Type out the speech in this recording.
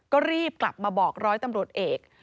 ก็รีบกลับมาบอกร้อยตำรวจเอก